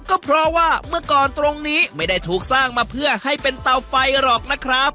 ก็เพราะว่าเมื่อก่อนตรงนี้ไม่ได้ถูกสร้างมาเพื่อให้เป็นเตาไฟหรอกนะครับ